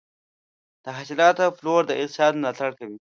د حاصلاتو پلور د اقتصاد ملاتړ کوي.